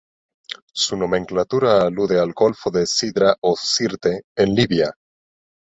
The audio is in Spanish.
Su nomenclatura alude al golfo de Sidra o Sirte, en Libia.